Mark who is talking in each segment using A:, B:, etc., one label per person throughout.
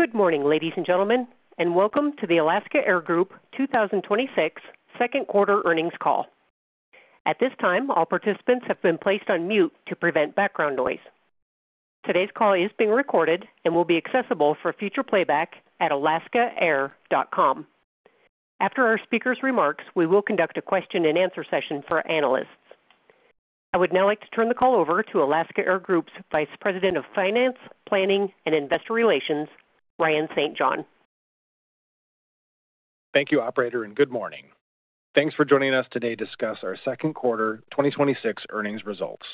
A: Good morning, ladies and gentlemen, welcome to the Alaska Air Group 2026 second quarter earnings call. At this time, all participants have been placed on mute to prevent background noise. Today's call is being recorded and will be accessible for future playback at alaskaair.com. After our speakers' remarks, we will conduct a question and answer session for our analysts. I would now like to turn the call over to Alaska Air Group's Vice President of Finance, Planning, and Investor Relations, Ryan St. John.
B: Thank you operator, good morning. Thanks for joining us today to discuss our second quarter 2026 earnings results.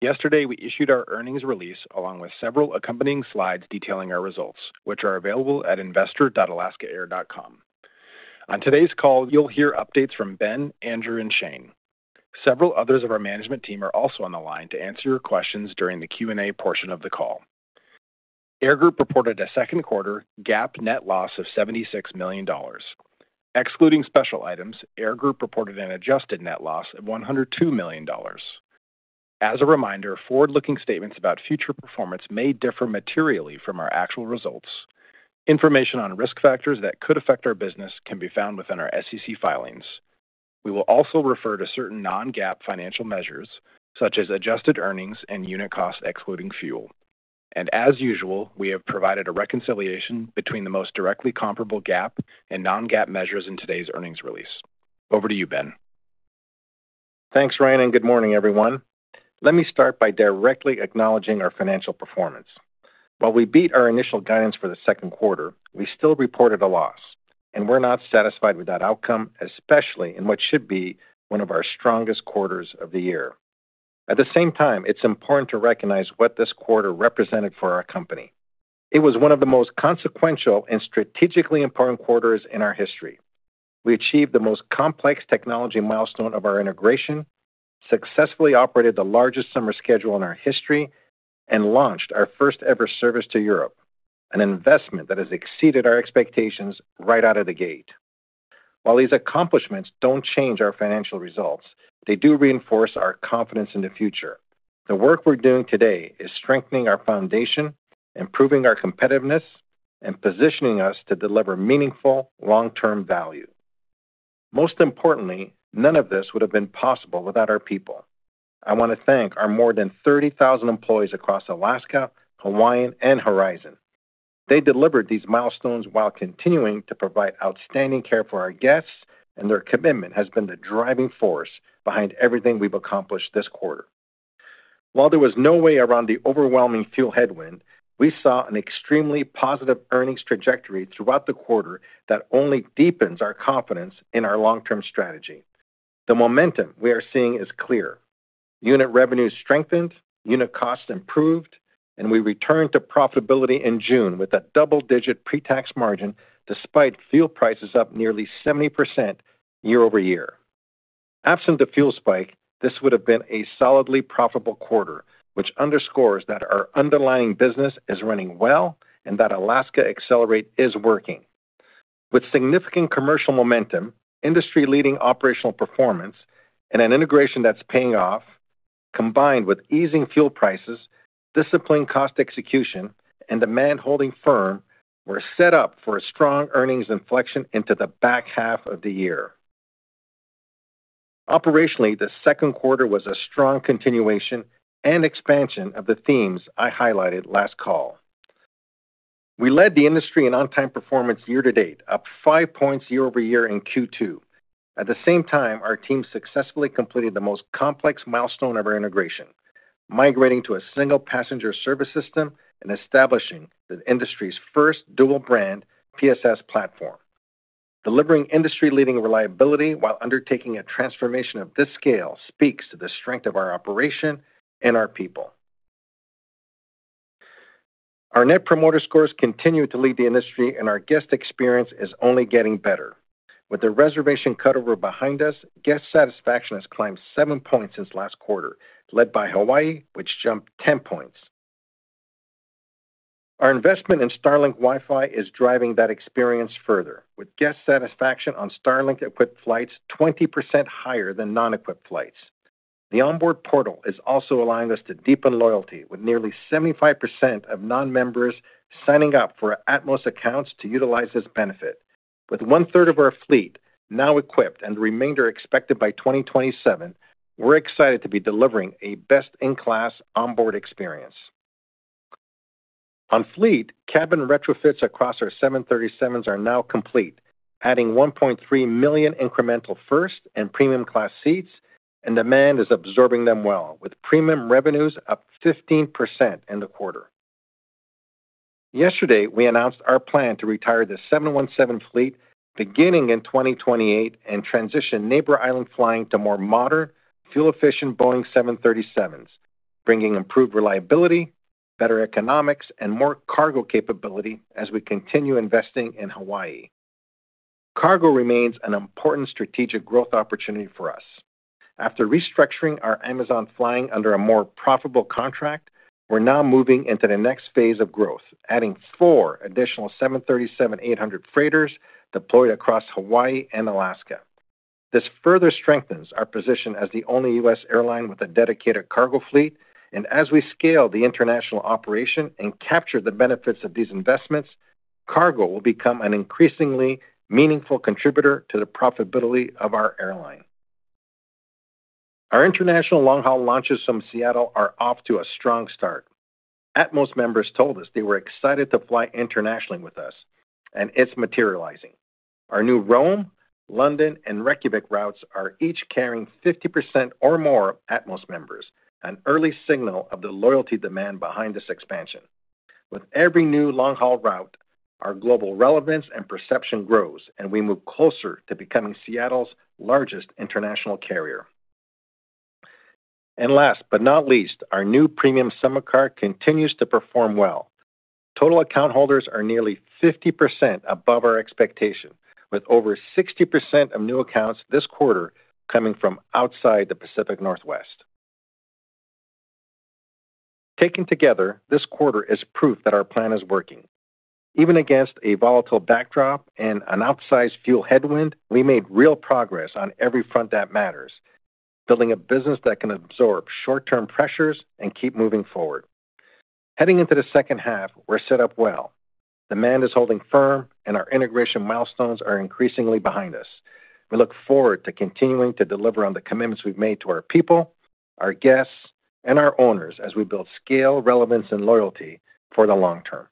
B: Yesterday, we issued our earnings release along with several accompanying slides detailing our results, which are available at investor.alaskaair.com. On today's call, you'll hear updates from Ben, Andrew and Shane. Several others of our management team are also on the line to answer your questions during the Q&A portion of the call. Air Group reported a second quarter GAAP net loss of $76 million. Excluding special items, Air Group reported an adjusted net loss of $102 million. As a reminder, forward-looking statements about future performance may differ materially from our actual results. Information on risk factors that could affect our business can be found within our SEC filings. We will also refer to certain non-GAAP financial measures, such as adjusted earnings and unit cost, excluding fuel. As usual, we have provided a reconciliation between the most directly comparable GAAP and non-GAAP measures in today's earnings release. Over to you, Ben.
C: Thanks, Ryan, good morning, everyone. Let me start by directly acknowledging our financial performance. While we beat our initial guidance for the second quarter, we still reported a loss, and we're not satisfied with that outcome, especially in what should be one of our strongest quarters of the year. At the same time, it's important to recognize what this quarter represented for our company. It was one of the most consequential and strategically important quarters in our history. We achieved the most complex technology milestone of our integration, successfully operated the largest summer schedule in our history, and launched our first ever service to Europe, an investment that has exceeded our expectations right out of the gate. While these accomplishments don't change our financial results, they do reinforce our confidence in the future. The work we're doing today is strengthening our foundation, improving our competitiveness, and positioning us to deliver meaningful long-term value. Most importantly, none of this would have been possible without our people. I want to thank our more than 30,000 employees across Alaska, Hawaiian, and Horizon. They delivered these milestones while continuing to provide outstanding care for our guests, and their commitment has been the driving force behind everything we've accomplished this quarter. While there was no way around the overwhelming fuel headwind, we saw an extremely positive earnings trajectory throughout the quarter that only deepens our confidence in our long-term strategy. The momentum we are seeing is clear. Unit revenues strengthened, unit cost improved, and we returned to profitability in June with a double-digit pre-tax margin despite fuel prices up nearly 70% year-over-year. Absent the fuel spike, this would have been a solidly profitable quarter, which underscores that our underlying business is running well and that Alaska Accelerate is working. With significant commercial momentum, industry-leading operational performance, and an integration that's paying off, combined with easing fuel prices, disciplined cost execution, and demand holding firm, we're set up for a strong earnings inflection into the back half of the year. Operationally, the second quarter was a strong continuation and expansion of the themes I highlighted last call. We led the industry in on-time performance year to date, up five points year-over-year in Q2. At the same time, our team successfully completed the most complex milestone of our integration, migrating to a single passenger service system and establishing the industry's first dual-brand PSS platform. Delivering industry-leading reliability while undertaking a transformation of this scale speaks to the strength of our operation and our people. Our net promoter scores continue to lead the industry, and our guest experience is only getting better. With the reservation cutover behind us, guest satisfaction has climbed seven points since last quarter, led by Hawaii, which jumped 10 points. Our investment in Starlink Wi-Fi is driving that experience further, with guest satisfaction on Starlink-equipped flights 20% higher than non-equipped flights. The onboard portal is also allowing us to deepen loyalty, with nearly 75% of non-members signing up for Atmos accounts to utilize this benefit. With 1/3 of our fleet now equipped and the remainder expected by 2027, we're excited to be delivering a best-in-class onboard experience. On fleet, cabin retrofits across our 737s are now complete, adding 1.3 million incremental first and premium class seats, and demand is absorbing them well, with premium revenues up 15% in the quarter. Yesterday, we announced our plan to retire the 717 fleet beginning in 2028 and transition Neighbor Island flying to more modern, fuel-efficient Boeing 737s, bringing improved reliability, better economics, and more cargo capability as we continue investing in Hawaii. Cargo remains an important strategic growth opportunity for us. After restructuring our Amazon flying under a more profitable contract, we're now moving into the next phase of growth, adding four additional 737-800 freighters deployed across Hawaii and Alaska. This further strengthens our position as the only U.S. airline with a dedicated cargo fleet, as we scale the international operation and capture the benefits of these investments, cargo will become an increasingly meaningful contributor to the profitability of our airline. Our international long-haul launches from Seattle are off to a strong start. Atmos members told us they were excited to fly internationally with us, and it's materializing. Our new Rome, London, and Reykjavik routes are each carrying 50% or more of Atmos members, an early signal of the loyalty demand behind this expansion. With every new long-haul route, our global relevance and perception grows, and we move closer to becoming Seattle's largest international carrier. Last but not least, our new premium credit card continues to perform well. Total account holders are nearly 50% above our expectation, with over 60% of new accounts this quarter coming from outside the Pacific Northwest. Taken together, this quarter is proof that our plan is working. Even against a volatile backdrop and an outsized fuel headwind, we made real progress on every front that matters, building a business that can absorb short-term pressures and keep moving forward. Heading into the second half, we're set up well. Demand is holding firm, and our integration milestones are increasingly behind us. We look forward to continuing to deliver on the commitments we've made to our people, our guests, and our owners as we build scale, relevance, and loyalty for the long term.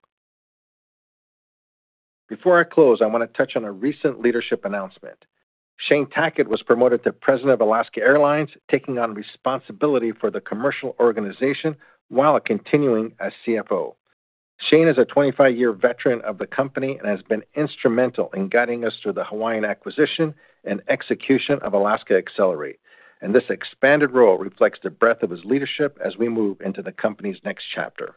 C: Before I close, I want to touch on a recent leadership announcement. Shane Tackett was promoted to President of Alaska Airlines, taking on responsibility for the commercial organization while continuing as CFO. Shane is a 25-year veteran of the company and has been instrumental in guiding us through the Hawaiian acquisition and execution of Alaska Accelerate. This expanded role reflects the breadth of his leadership as we move into the company's next chapter.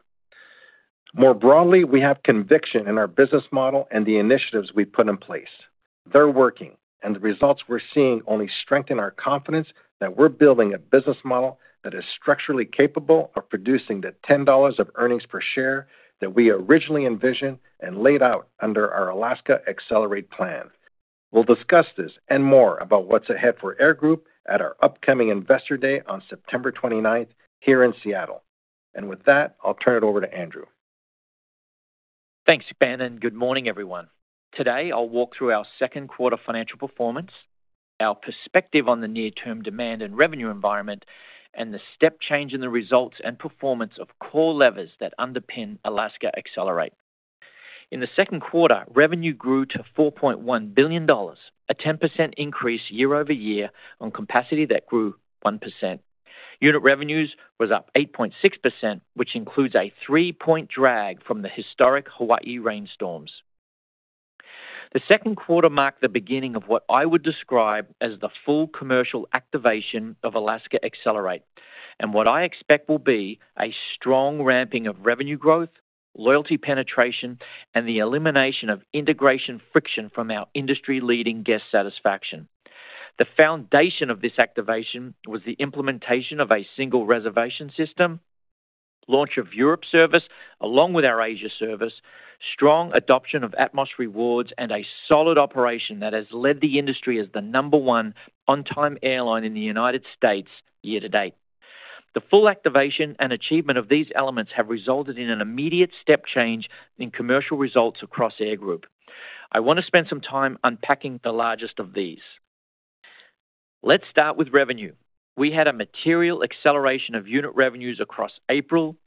C: More broadly, we have conviction in our business model and the initiatives we've put in place. They're working, and the results we're seeing only strengthen our confidence that we're building a business model that is structurally capable of producing the $10 of earnings per share that we originally envisioned and laid out under our Alaska Accelerate plan. We'll discuss this and more about what's ahead for Air Group at our upcoming Investor Day on September 29th, here in Seattle. With that, I'll turn it over to Andrew.
D: Thanks, Ben, and good morning, everyone. Today, I'll walk through our second quarter financial performance, our perspective on the near-term demand and revenue environment, and the step change in the results and performance of core levers that underpin Alaska Accelerate. In the second quarter, revenue grew to $4.1 billion, a 10% increase year-over-year on capacity that grew 1%. Unit revenues was up 8.6%, which includes a three-point drag from the historic Hawaii rainstorms. The second quarter marked the beginning of what I would describe as the full commercial activation of Alaska Accelerate and what I expect will be a strong ramping of revenue growth, loyalty penetration, and the elimination of integration friction from our industry-leading guest satisfaction. The foundation of this activation was the implementation of a single reservation system, launch of Europe service, along with our Asia service, strong adoption of Atmos Rewards, and a solid operation that has led the industry as the number one on-time airline in the United States year-to-date. The full activation and achievement of these elements have resulted in an immediate step change in commercial results across Air Group. I want to spend some time unpacking the largest of these. Let's start with revenue. We had a material acceleration of unit revenues across April,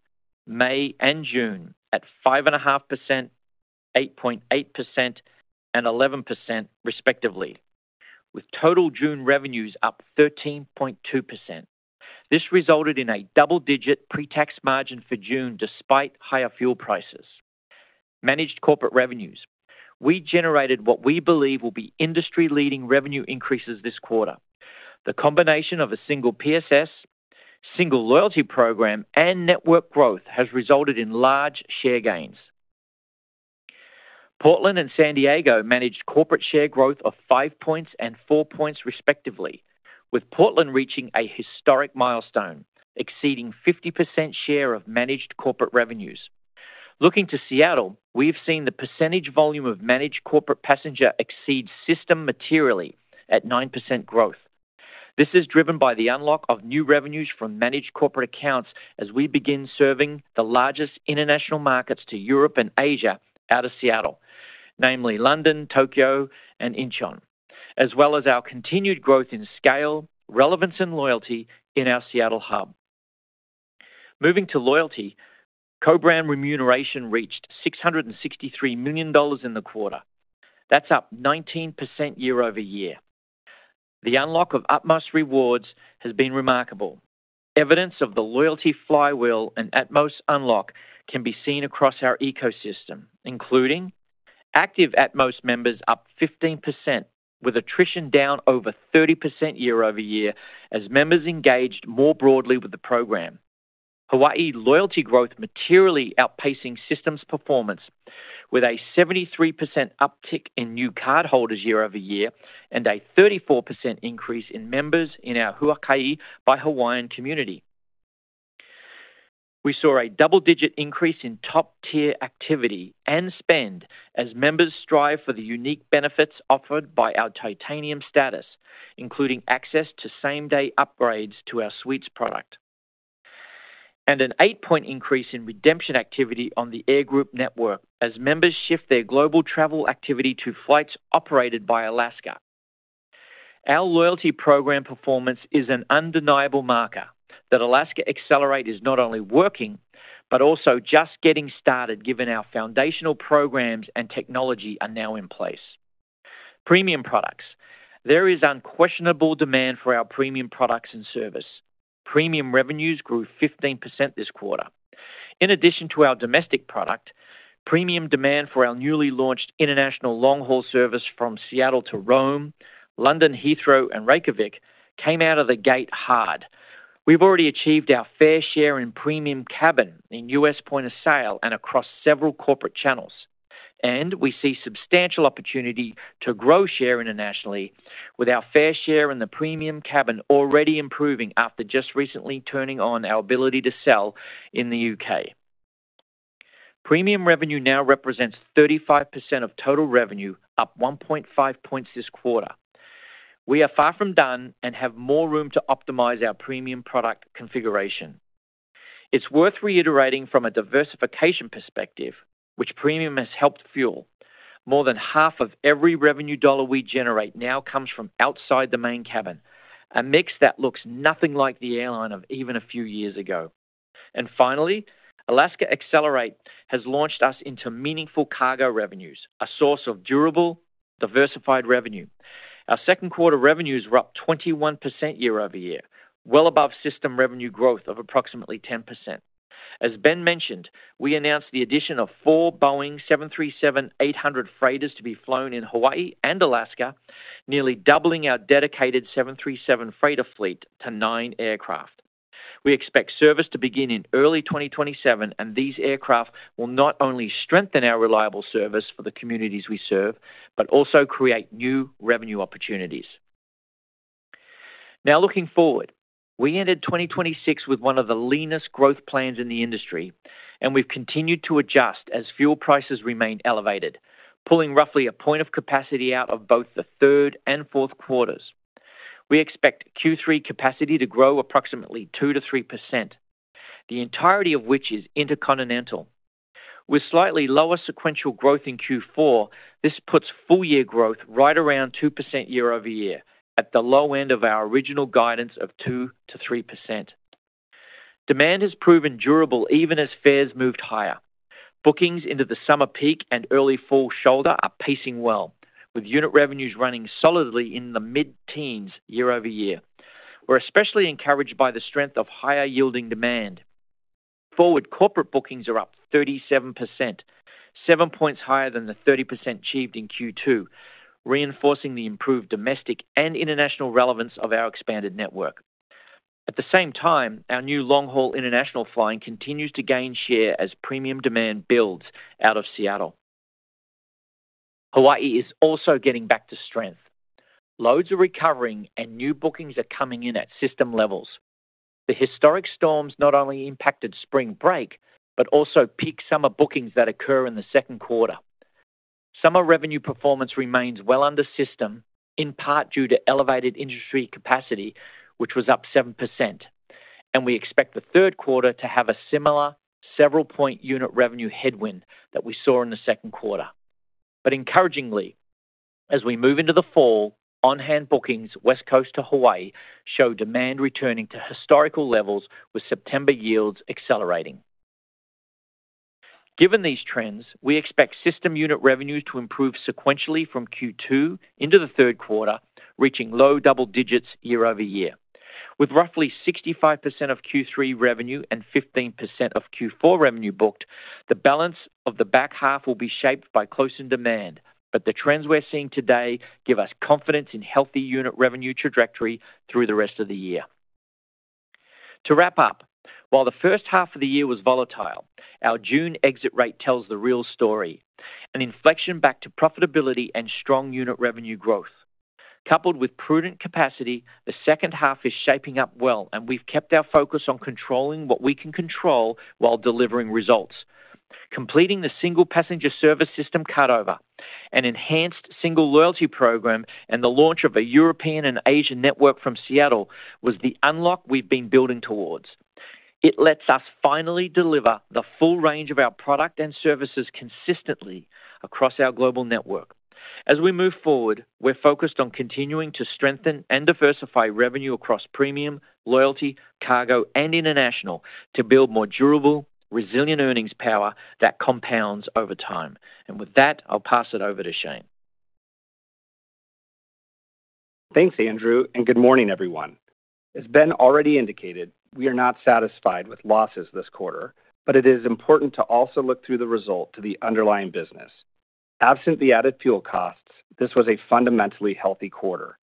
D: May, and June at 5.5%, 8.8%, and 11% respectively, with total June revenues up 13.2%. This resulted in a double-digit pre-tax margin for June, despite higher fuel prices. Managed corporate revenues. We generated what we believe will be industry-leading revenue increases this quarter. The combination of a single PSS, single loyalty program, and network growth has resulted in large share gains. Portland and San Diego managed corporate share growth of 5 points and 4 points respectively, with Portland reaching a historic milestone, exceeding 50% share of managed corporate revenues. Looking to Seattle, we've seen the percentage volume of managed corporate passenger exceed system materially at 9% growth. This is driven by the unlock of new revenues from managed corporate accounts as we begin serving the largest international markets to Europe and Asia out of Seattle, namely London, Tokyo, and Incheon, as well as our continued growth in scale, relevance, and loyalty in our Seattle hub. Moving to loyalty, co-brand remuneration reached $663 million in the quarter. That's up 19% year-over-year. The unlock of Atmos Rewards has been remarkable. Evidence of the loyalty flywheel and Atmos Unlocked can be seen across our ecosystem, including active Atmos members up 15%, with attrition down over 30% year-over-year as members engaged more broadly with the program. Hawaii loyalty growth materially outpacing systems performance with a 73% uptick in new cardholders year-over-year and a 34% increase in members in our Huaka'i by Hawaiian community. We saw a double-digit increase in top-tier activity and spend as members strive for the unique benefits offered by our Titanium status, including access to same-day upgrades to our suites product. An eight-point increase in redemption activity on the Air Group network as members shift their global travel activity to flights operated by Alaska. Our loyalty program performance is an undeniable marker that Alaska Accelerate is not only working, but also just getting started given our foundational programs and technology are now in place. Premium products. There is unquestionable demand for our premium products and service. Premium revenues grew 15% this quarter. In addition to our domestic product, premium demand for our newly launched international long-haul service from Seattle to Rome, London Heathrow, and Reykjavik came out of the gate hard. We've already achieved our fair share in premium cabin in U.S. point of sale and across several corporate channels, and we see substantial opportunity to grow share internationally with our fair share in the premium cabin already improving after just recently turning on our ability to sell in the U.K. Premium revenue now represents 35% of total revenue, up 1.5 points this quarter. We are far from done and have more room to optimize our premium product configuration. It's worth reiterating from a diversification perspective, which premium has helped fuel. More than half of every revenue dollar we generate now comes from outside the main cabin. A mix that looks nothing like the airline of even a few years ago. Finally, Alaska Accelerate has launched us into meaningful cargo revenues, a source of durable, diversified revenue. Our second quarter revenues were up 21% year-over-year, well above system revenue growth of approximately 10%. As Ben mentioned, we announced the addition of four Boeing 737-800 freighters to be flown in Hawaii and Alaska, nearly doubling our dedicated 737 freighter fleet to nine aircraft. We expect service to begin in early 2027, these aircraft will not only strengthen our reliable service for the communities we serve, but also create new revenue opportunities. Looking forward, we ended 2026 with one of the leanest growth plans in the industry, we've continued to adjust as fuel prices remain elevated, pulling roughly a point of capacity out of both the third and fourth quarters. We expect Q3 capacity to grow approximately 2%-3%, the entirety of which is intercontinental. With slightly lower sequential growth in Q4, this puts full year growth right around 2% year-over-year at the low end of our original guidance of 2%-3%. Demand has proven durable even as fares moved higher. Bookings into the summer peak and early fall shoulder are pacing well, with unit revenues running solidly in the mid-teens year-over-year. We're especially encouraged by the strength of higher-yielding demand. Forward corporate bookings are up 37%, seven points higher than the 30% achieved in Q2, reinforcing the improved domestic and international relevance of our expanded network. At the same time, our new long-haul international flying continues to gain share as premium demand builds out of Seattle. Hawaii is also getting back to strength. Loads are recovering, new bookings are coming in at system levels. The historic storms not only impacted spring break, but also peak summer bookings that occur in the second quarter. Summer revenue performance remains well under system, in part due to elevated industry capacity, which was up 7%, we expect the third quarter to have a similar several point unit revenue headwind that we saw in the second quarter. Encouragingly, as we move into the fall, on-hand bookings West Coast to Hawaii show demand returning to historical levels with September yields accelerating. Given these trends, we expect system unit revenues to improve sequentially from Q2 into the third quarter, reaching low double digits year-over-year. With roughly 65% of Q3 revenue and 15% of Q4 revenue booked, the balance of the back half will be shaped by closing demand. The trends we're seeing today give us confidence in healthy unit revenue trajectory through the rest of the year. To wrap up, while the first half of the year was volatile, our June exit rate tells the real story, an inflection back to profitability and strong unit revenue growth. Coupled with prudent capacity, the second half is shaping up well, we've kept our focus on controlling what we can control while delivering results. Completing the single passenger service system cut-over, an enhanced single loyalty program, and the launch of a European and Asian network from Seattle was the unlock we've been building towards. It lets us finally deliver the full range of our product and services consistently across our global network. As we move forward, we're focused on continuing to strengthen and diversify revenue across premium, loyalty, cargo, and international to build more durable, resilient earnings power that compounds over time. With that, I'll pass it over to Shane.
E: Thanks, Andrew, and good morning, everyone. As Ben already indicated, we are not satisfied with losses this quarter, it is important to also look through the result to the underlying business. Absent the added fuel costs, this was a fundamentally healthy quarter.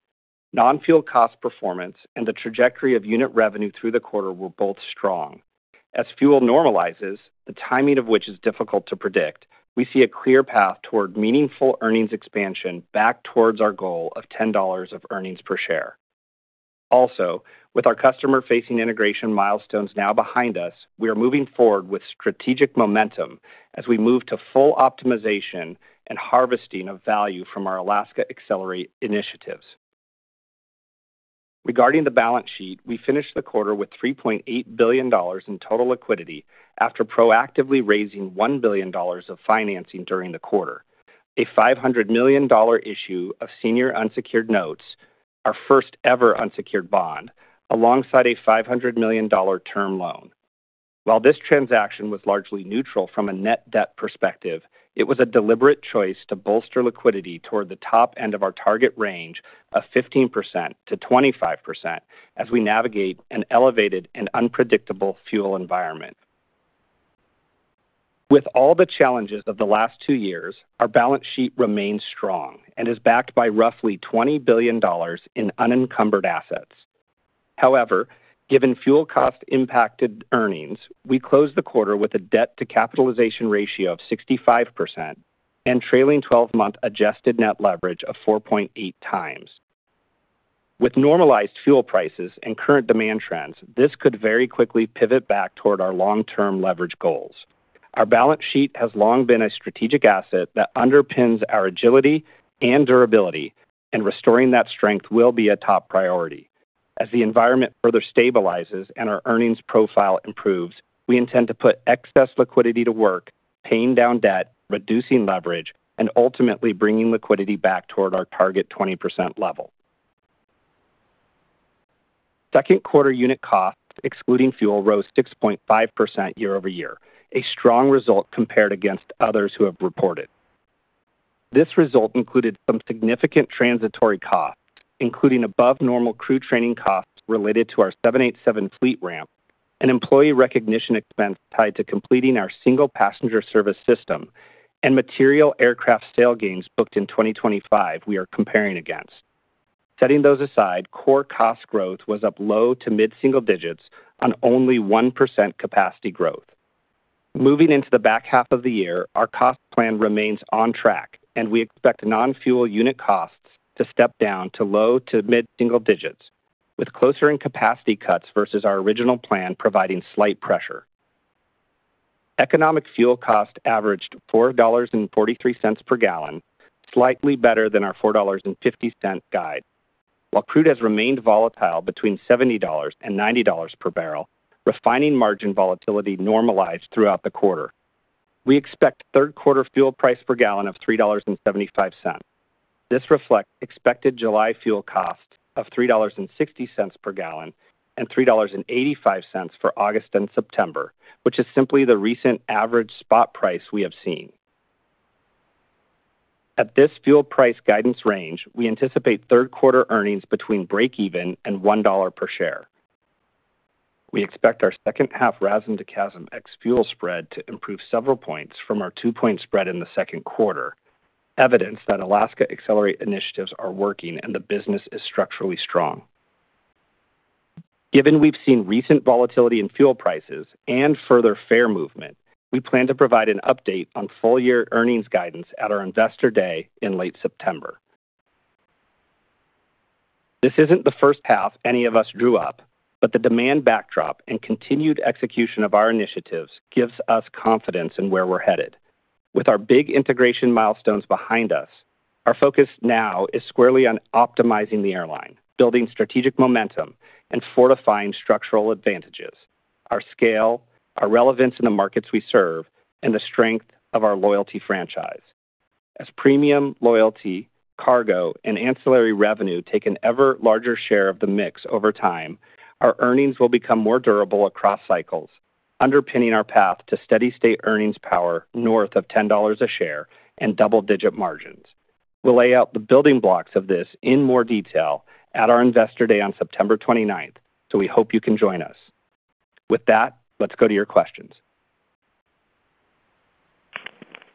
E: Non-fuel cost performance and the trajectory of unit revenue through the quarter were both strong. As fuel normalizes, the timing of which is difficult to predict, we see a clear path toward meaningful earnings expansion back towards our goal of $10 of earnings per share. Also, with our customer-facing integration milestones now behind us, we are moving forward with strategic momentum as we move to full optimization and harvesting of value from our Alaska Accelerate initiatives. Regarding the balance sheet, we finished the quarter with $3.8 billion in total liquidity after proactively raising $1 billion of financing during the quarter. A $500 million issue of senior unsecured notes, our first ever unsecured bond, alongside a $500 million term loan. While this transaction was largely neutral from a net debt perspective, it was a deliberate choice to bolster liquidity toward the top end of our target range of 15%-25% as we navigate an elevated and unpredictable fuel environment. With all the challenges of the last two years, our balance sheet remains strong and is backed by roughly $20 billion in unencumbered assets. Given fuel cost-impacted earnings, we closed the quarter with a debt-to-capitalization ratio of 65% and trailing 12-month adjusted net leverage of 4.8x. With normalized fuel prices and current demand trends, this could very quickly pivot back toward our long-term leverage goals. Our balance sheet has long been a strategic asset that underpins our agility and durability, restoring that strength will be a top priority. As the environment further stabilizes and our earnings profile improves, we intend to put excess liquidity to work, paying down debt, reducing leverage, and ultimately bringing liquidity back toward our target 20% level. Second quarter unit costs, excluding fuel, rose 6.5% year-over-year, a strong result compared against others who have reported. This result included some significant transitory costs, including above normal crew training costs related to our 787 fleet ramp, an employee recognition expense tied to completing our single passenger service system, and material aircraft sale gains booked in 2025 we are comparing against. Setting those aside, core cost growth was up low to mid-single digits on only 1% capacity growth. Moving into the back half of the year, our cost plan remains on track. We expect non-fuel unit costs to step down to low to mid-single digits with closer in-capacity cuts versus our original plan providing slight pressure. Economic fuel cost averaged $4.43 per gallon, slightly better than our $4.50 guide. While crude has remained volatile between $70 and $90 per barrel, refining margin volatility normalized throughout the quarter. We expect third quarter fuel price per gallon of $3.75. This reflects expected July fuel cost of $3.60 per gallon and $3.85 for August and September, which is simply the recent average spot price we have seen. At this fuel price guidance range, we anticipate third quarter earnings between breakeven and $1 per share. We expect our second half RASM to CASM ex-fuel spread to improve several points from our two-point spread in the second quarter, evidence that Alaska Accelerate initiatives are working and the business is structurally strong. Given we've seen recent volatility in fuel prices and further fare movement, we plan to provide an update on full-year earnings guidance at our Investor Day in late September. This isn't the first half any of us drew up, but the demand backdrop and continued execution of our initiatives gives us confidence in where we're headed. With our big integration milestones behind us, our focus now is squarely on optimizing the airline, building strategic momentum, and fortifying structural advantages, our scale, our relevance in the markets we serve, and the strength of our loyalty franchise. As premium loyalty, cargo, and ancillary revenue take an ever-larger share of the mix over time, our earnings will become more durable across cycles, underpinning our path to steady state earnings power north of $10 a share and double-digit margins. We'll lay out the building blocks of this in more detail at our Investor Day on September 29th, so we hope you can join us. With that, let's go to your questions.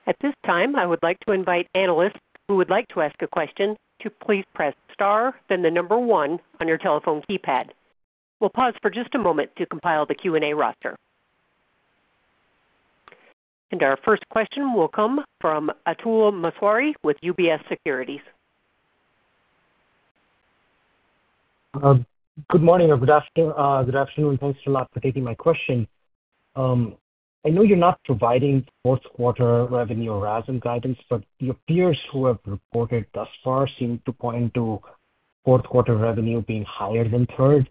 A: At this time, I would like to invite analysts who would like to ask a question to please press star, then the number one on your telephone keypad. We'll pause for just a moment to compile the Q&A roster. Our first question will come from Atul Maheswari with UBS Securities.
F: Good morning, or good afternoon. Thanks a lot for taking my question. I know you're not providing fourth quarter revenue RASM guidance, but your peers who have reported thus far seem to point to fourth quarter revenue being higher than third,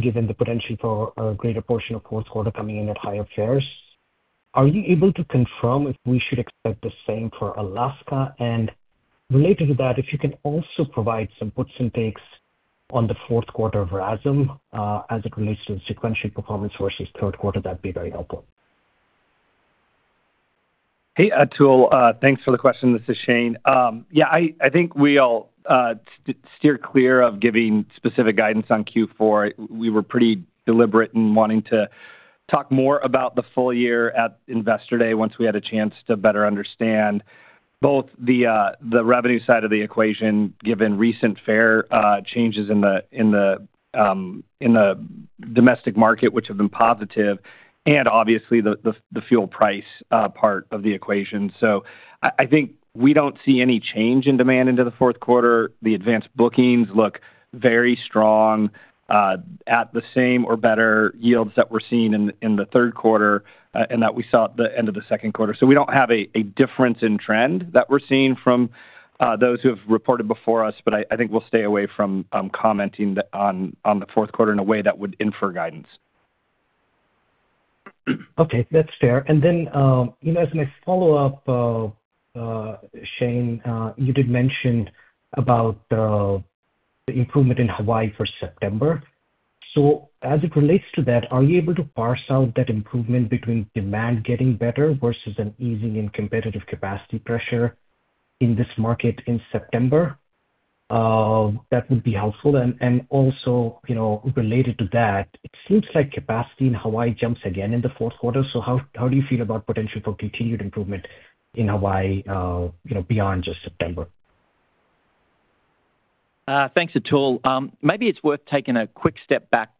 F: given the potential for a greater portion of fourth quarter coming in at higher fares. Are you able to confirm if we should expect the same for Alaska? Related to that, if you can also provide some puts and takes on the fourth quarter of RASM as it relates to the sequential performance versus third quarter, that'd be very helpful.
E: Hey, Atul. Thanks for the question. This is Shane. I think we all steer clear of giving specific guidance on Q4. We were pretty deliberate in wanting to talk more about the full year at Investor Day once we had a chance to better understand both the revenue side of the equation, given recent fare changes in the domestic market, which have been positive, and obviously the fuel price part of the equation. I think we don't see any change in demand into the fourth quarter. The advanced bookings look very strong at the same or better yields that we're seeing in the third quarter and that we saw at the end of the second quarter. We don't have a difference in trend that we're seeing from those who have reported before us, but I think we'll stay away from commenting on the fourth quarter in a way that would infer guidance.
F: Okay, that's fair. Then, as my follow-up, Shane, you did mention about the improvement in Hawaii for September. As it relates to that, are you able to parse out that improvement between demand getting better versus an easing in competitive capacity pressure in this market in September? That would be helpful. Also, related to that, it seems like capacity in Hawaii jumps again in the fourth quarter. How do you feel about potential for continued improvement in Hawaii beyond just September?
D: Thanks, Atul. Maybe it's worth taking a quick step back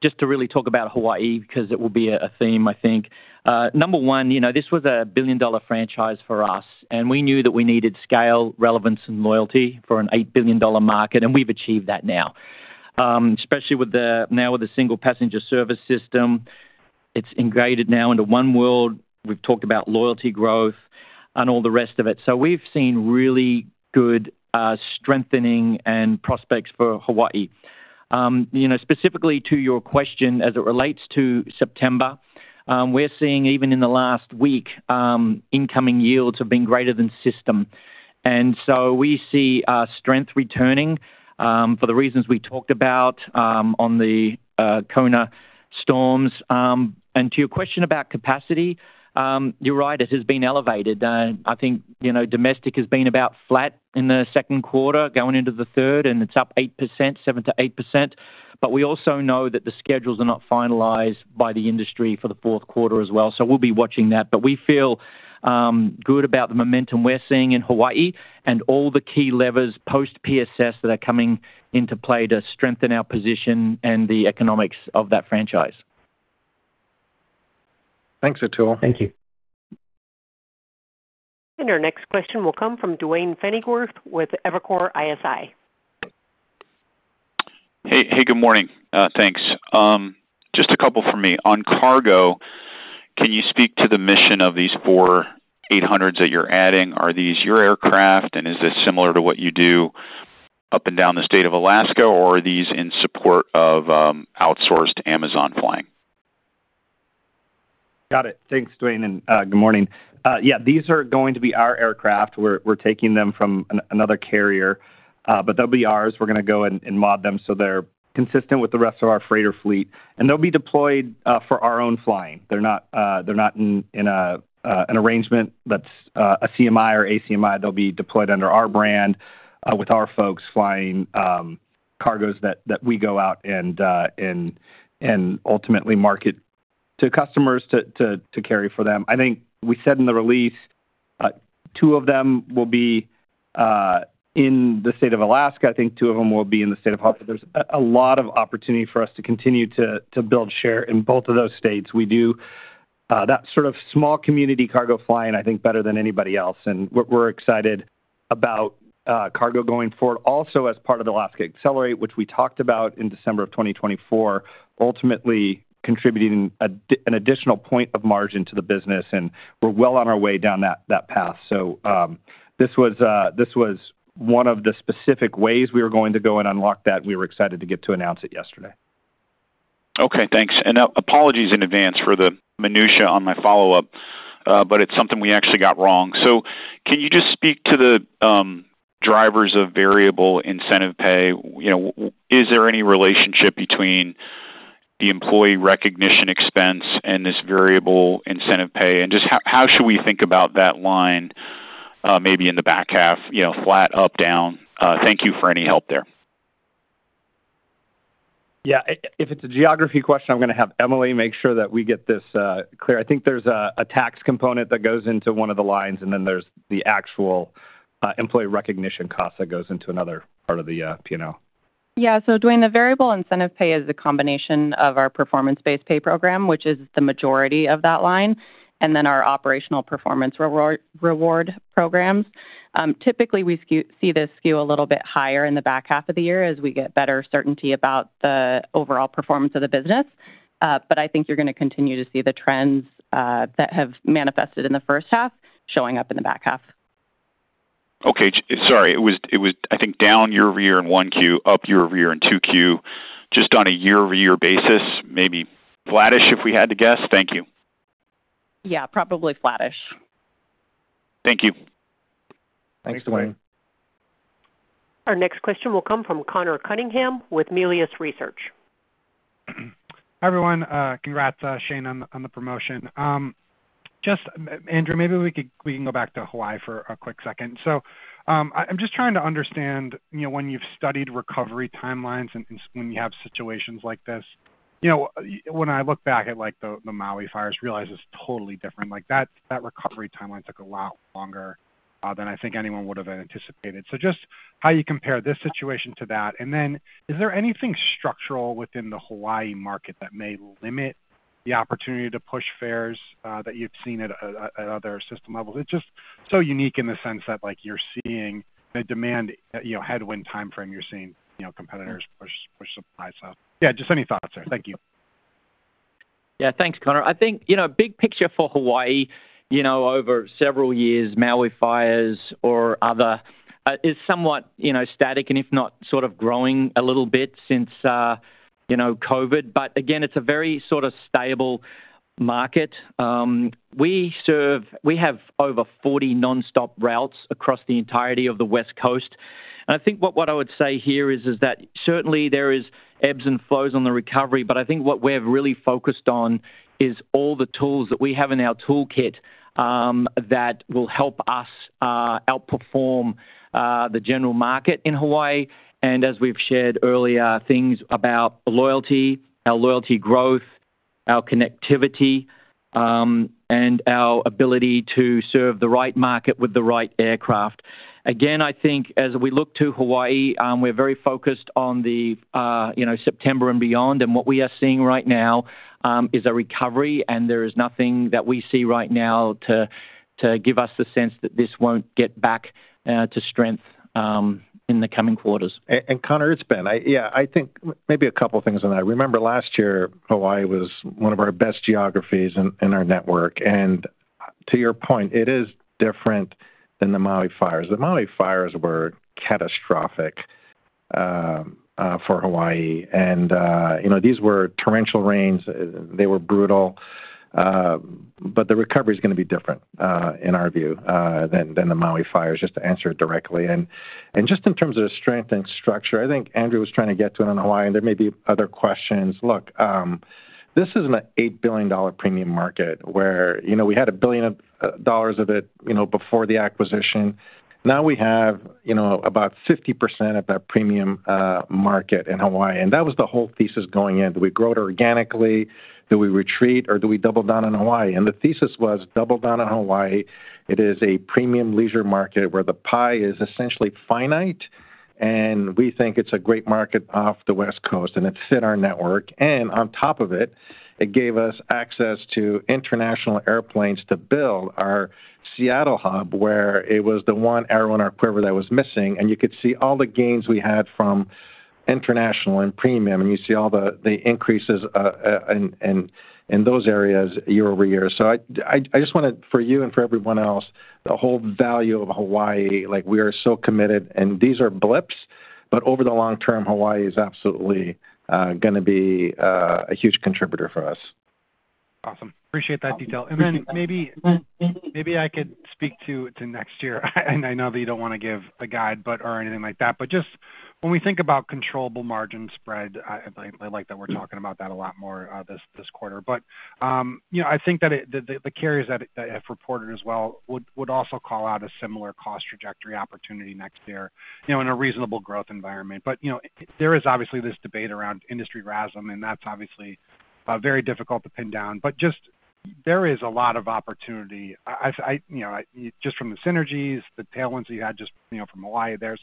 D: just to really talk about Hawaii, because it will be a theme, I think. Number one, this was a billion-dollar franchise for us, we knew that we needed scale, relevance, and loyalty for an $8 billion market, we've achieved that now. Especially now with the single passenger service system, it's integrated now into oneworld. We've talked about loyalty growth and all the rest of it. We've seen really good strengthening and prospects for Hawaii. Specifically to your question as it relates to September, we're seeing, even in the last week, incoming yields have been greater than system. We see strength returning for the reasons we talked about on the Kona storms. To your question about capacity, you're right, it has been elevated. I think domestic has been about flat in the second quarter going into the third, it's up 7%-8%, we also know that the schedules are not finalized by the industry for the fourth quarter as well. We'll be watching that. We feel good about the momentum we're seeing in Hawaii and all the key levers post-PSS that are coming into play to strengthen our position and the economics of that franchise.
E: Thanks, Atul.
F: Thank you.
A: Our next question will come from Duane Pfennigwerth with Evercore ISI.
G: Hey, good morning. Thanks. Just a couple from me. On cargo, can you speak to the mission of these four 800s that you're adding? Are these your aircraft, and is this similar to what you do up and down the State of Alaska, or are these in support of outsourced Amazon flying?
E: Got it. Thanks, Duane, and good morning. These are going to be our aircraft. We're taking them from another carrier. They'll be ours. We're going to go and mod them so they're consistent with the rest of our freighter fleet, and they'll be deployed for our own flying. They're not in an arrangement that's a CMI or ACMI. They'll be deployed under our brand with our folks flying cargoes that we go out and ultimately market to customers to carry for them. I think we said in the release two of them will be in the State of Alaska. I think two of them will be in the State of Hawaii. There's a lot of opportunity for us to continue to build share in both of those states. We do that sort of small community cargo flying, I think, better than anybody else, and we're excited about cargo going forward. As part of the Alaska Accelerate, which we talked about in December of 2024, ultimately contributing an additional point of margin to the business, and we're well on our way down that path. This was one of the specific ways we were going to go and unlock that, and we were excited to get to announce it yesterday.
G: Apologies in advance for the minutia on my follow-up, but it's something we actually got wrong. Can you just speak to the drivers of variable incentive pay? Is there any relationship between the employee recognition expense and this variable incentive pay, and just how should we think about that line maybe in the back half, flat, up, down? Thank you for any help there.
E: If it's a geography question, I'm going to have Emily make sure that we get this clear. I think there's a tax component that goes into one of the lines, and then there's the actual employee recognition cost that goes into another part of the P&L.
H: Duane, the variable incentive pay is a combination of our performance-based pay program, which is the majority of that line, and then our operational performance reward programs. Typically, we see this skew a little bit higher in the back half of the year as we get better certainty about the overall performance of the business. I think you're going to continue to see the trends that have manifested in the first half showing up in the back half.
G: Okay. Sorry. It was, I think, down year-over-year in 1Q, up year-over-year in 2Q. Just on a year-over-year basis, maybe flattish if we had to guess? Thank you.
H: Yeah, probably flattish.
G: Thank you.
E: Thanks, Duane.
A: Our next question will come from Conor Cunningham with Melius Research.
I: Hi, everyone. Congrats, Shane, on the promotion. Andrew, we can go back to Hawaii for a quick second. I'm just trying to understand when you've studied recovery timelines and when you have situations like this. When I look back at the Maui fires, realize it's totally different. That recovery timeline took a lot longer than I think anyone would have anticipated. Just how you compare this situation to that, then is there anything structural within the Hawaii market that may limit the opportunity to push fares that you've seen at other system levels? It's just so unique in the sense that you're seeing the demand, headwind timeframe, you're seeing competitors push supply. Yeah, just any thoughts there. Thank you.
D: Yeah, thanks, Conor. Big picture for Hawaii, over several years, Maui fires or other, is somewhat static and if not growing a little bit since COVID, but again, it's a very stable market. We have over 40 nonstop routes across the entirety of the West Coast. What I would say here is that certainly there is ebbs and flows on the recovery, but what we've really focused on is all the tools that we have in our toolkit that will help us outperform the general market in Hawaii. As we've shared earlier, things about loyalty, our loyalty growth, our connectivity, and our ability to serve the right market with the right aircraft. As we look to Hawaii, we're very focused on September and beyond, and what we are seeing right now is a recovery, and there is nothing that we see right now to give us the sense that this won't get back to strength in the coming quarters.
C: Conor, it's Ben. A couple things on that. I remember last year, Hawaii was one of our best geographies in our network, and to your point, it is different than the Maui fires. The Maui fires were catastrophic for Hawaii. These were torrential rains. They were brutal. The recovery is going to be different, in our view, than the Maui fires, just to answer it directly. Just in terms of strength and structure, Andrew was trying to get to it on Hawaii, and there may be other questions. Look, this is an $8 billion premium market where we had $1 billion of it before the acquisition. We have about 50% of that premium market in Hawaii, and that was the whole thesis going in. Do we grow it organically? Do we retreat or do we double down on Hawaii? The thesis was double down on Hawaii. It is a premium leisure market where the pie is essentially finite. We think it's a great market off the West Coast, and it fit our network. On top of it gave us access to international airplanes to build our Seattle hub, where it was the one airline or whoever that was missing. You could see all the gains we had from international and premium. You see all the increases in those areas year-over-year. I just wanted for you and for everyone else, the whole value of Hawaii, we are so committed, and these are blips, but over the long term, Hawaii is absolutely going to be a huge contributor for us.
I: Awesome. Appreciate that detail. Then maybe I could speak to next year. I know that you don't want to give a guide, or anything like that, but just when we think about controllable margin spread, I like that we're talking about that a lot more this quarter. I think that the carriers that have reported as well would also call out a similar cost trajectory opportunity next year in a reasonable growth environment. There is obviously this debate around industry RASM, and that's obviously very difficult to pin down. Just there is a lot of opportunity. Just from the synergies, the tailwinds that you had just from Hawaii there.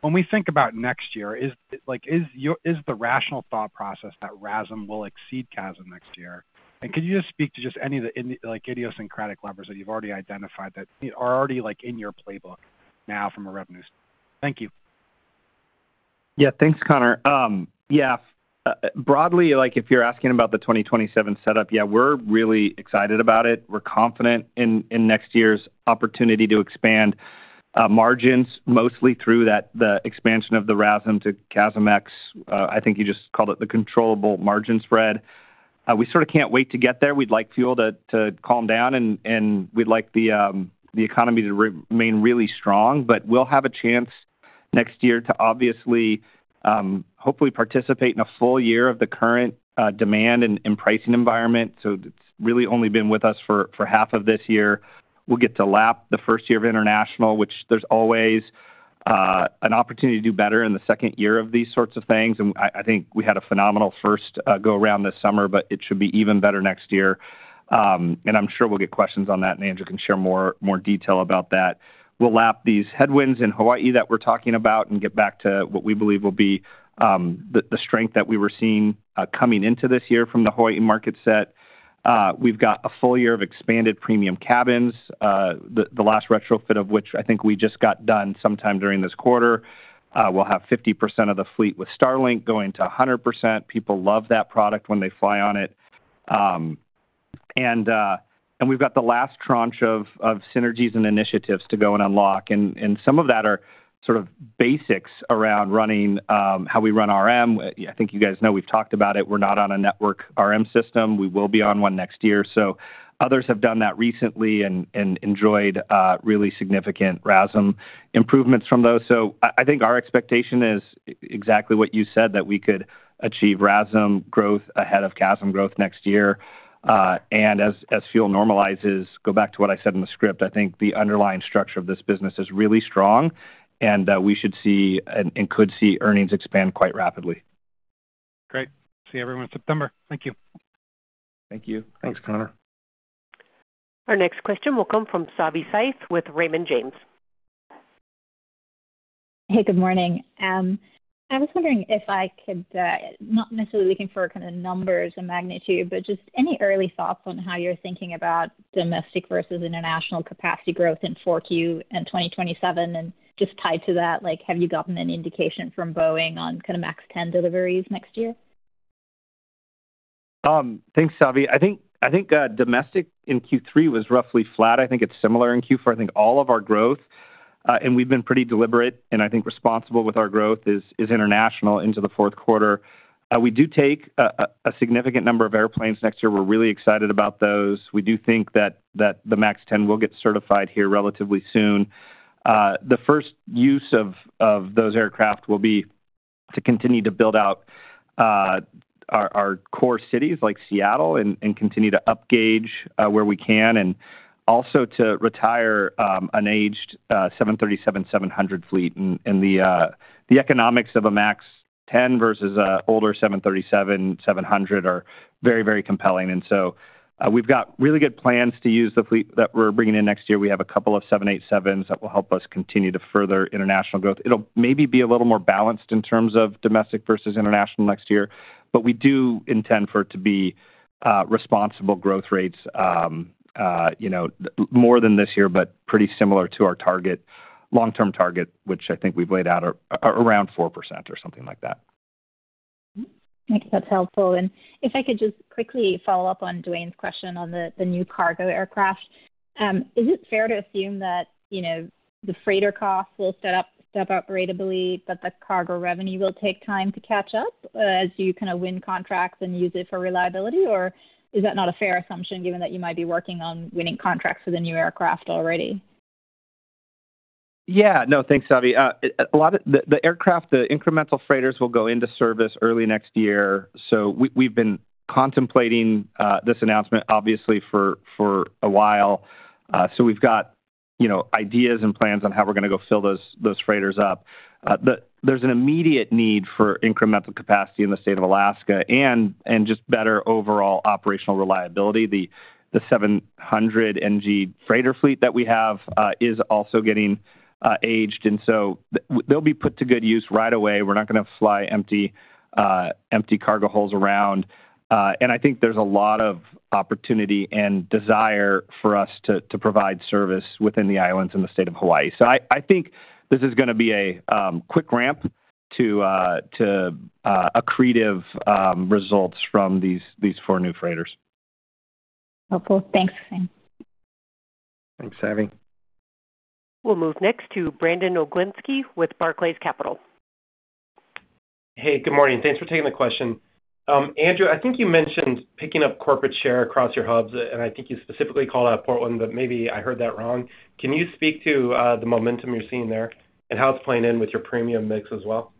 I: When we think about next year, is the rational thought process that RASM will exceed CASM next year? Could you just speak to just any of the idiosyncratic levers that you've already identified that are already in your playbook now from a revenue standpoint? Thank you.
E: Thanks, Conor. Broadly, if you're asking about the 2027 setup, we're really excited about it. We're confident in next year's opportunity to expand margins mostly through the expansion of the RASM to CASMex, I think you just called it the controllable margin spread. We sort of can't wait to get there. We'd like fuel to calm down, and we'd like the economy to remain really strong. We'll have a chance next year to obviously, hopefully participate in a full year of the current demand and pricing environment. It's really only been with us for half of this year. We'll get to lap the first year of international, which there's always an opportunity to do better in the second year of these sorts of things. I think we had a phenomenal first go-around this summer, but it should be even better next year. I'm sure we'll get questions on that, Andrew can share more detail about that. We'll lap these headwinds in Hawaii that we're talking about and get back to what we believe will be the strength that we were seeing coming into this year from the Hawaii market set. We've got a full year of expanded premium cabins, the last retrofit of which I think we just got done sometime during this quarter. We'll have 50% of the fleet with Starlink going to 100%. People love that product when they fly on it. We've got the last tranche of synergies and initiatives to go and unlock, and some of that are sort of basics around how we run RM. I think you guys know, we've talked about it. We're not on a network RM system. We will be on one next year. Others have done that recently and enjoyed really significant RASM improvements from those. I think our expectation is exactly what you said, that we could achieve RASM growth ahead of CASM growth next year. As fuel normalizes, go back to what I said in the script, I think the underlying structure of this business is really strong and that we should see and could see earnings expand quite rapidly.
I: Great. See everyone in September. Thank you.
E: Thank you.
C: Thanks, Conor.
A: Our next question will come from Savi Syth with Raymond James.
J: Hey, good morning. I was wondering if I could, not necessarily looking for numbers and magnitude, but just any early thoughts on how you're thinking about domestic versus international capacity growth in 4Q and 2027, and just tied to that, have you gotten any indication from Boeing on MAX 10 deliveries next year?
E: Thanks, Savi. I think domestic in Q3 was roughly flat. I think it's similar in Q4. I think all of our growth, and we've been pretty deliberate and I think responsible with our growth is international into the fourth quarter. We do take a significant number of airplanes next year. We're really excited about those. We do think that the MAX 10 will get certified here relatively soon. The first use of those aircraft will be to continue to build out our core cities like Seattle and continue to up gauge where we can and also to retire an aged 737-700 fleet. The economics of a MAX 10 versus an older 737-700 are very compelling. We've got really good plans to use the fleet that we're bringing in next year. We have a couple of 787s that will help us continue to further international growth. It'll maybe be a little more balanced in terms of domestic versus international next year, but we do intend for it to be responsible growth rates, more than this year, but pretty similar to our long-term target, which I think we've laid out around 4% or something like that.
J: I guess that's helpful. If I could just quickly follow up on Duane's question on the new cargo aircraft. Is it fair to assume that the freighter costs will step up operability, but the cargo revenue will take time to catch up as you win contracts and use it for reliability? Or is that not a fair assumption given that you might be working on winning contracts for the new aircraft already?
E: Yeah. No, thanks, Savi. The incremental freighters will go into service early next year. We've been contemplating this announcement obviously for a while. We've got ideas and plans on how we're going to go fill those freighters up. There's an immediate need for incremental capacity in the state of Alaska and just better overall operational reliability. The 700NG freighter fleet that we have is also getting aged, they'll be put to good use right away. We're not going to fly empty cargo holds around. I think there's a lot of opportunity and desire for us to provide service within the islands in the state of Hawaii. I think this is going to be a quick ramp to accretive results from these four new freighters.
J: Okay. Thanks, Shane.
E: Thanks, Savi.
A: We'll move next to Brandon Oglenski with Barclays Capital.
K: Hey, good morning. Thanks for taking the question. Andrew, I think you mentioned picking up corporate share across your hubs, and I think you specifically called out Portland, but maybe I heard that wrong. Can you speak to the momentum you're seeing there and how it's playing in with your premium mix as well?